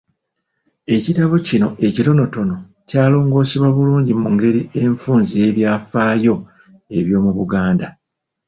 Ekitabo kino ekitonotono kyalongoosebwa bulungi mu ngeri enfunze ey'byafaayo eby'omu Buganda.